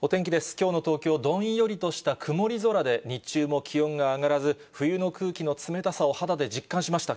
きょうの東京、どんよりとした曇り空で、日中も気温が上がらず、冬の空気の冷たさを肌で実感しました。